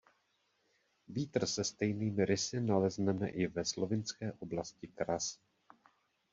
Vítr se stejnými rysy nalezneme i ve slovinské oblasti Kras.